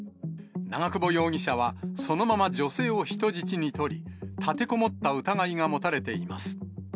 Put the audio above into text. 長久保容疑者は、そのまま女性を人質に取り、立てこもった疑いが持たれています。